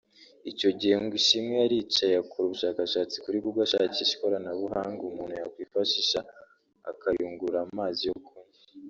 Icyo gihe ngo Ishimwe yaricaye akora ubushakashatsi kuri Google ashakisha ikoranabuhanga umuntu yakwifashisha akayungurura amazi yo kunywa